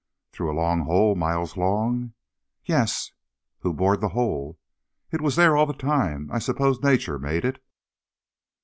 "Through a long hole, miles long?" "Yes." "Who bored the hole?" "It was there all the time. I suppose Nature made it."